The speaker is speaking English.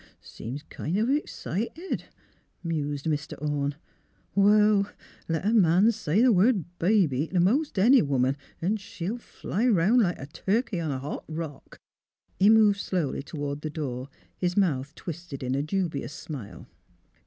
^' Seems kind of 'xcited," mused Mr. Orne. '' Wall, let a man say the word ' baby ' t' most any woman, 'n' she'll fly 'round like a turkey on a hot rock." He moved slowly toward the door, his mouth twisted in a dubious smile.